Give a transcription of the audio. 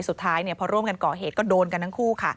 สุดท้ายพอร่วมกันก่อเหตุก็โดนกันทั้งคู่ค่ะ